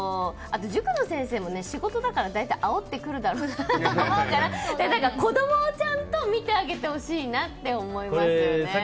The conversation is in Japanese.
あと、塾の先生も仕事だからあおってくるだろうなと思うから子供をちゃんと見てあげてほしいなと思いますよね。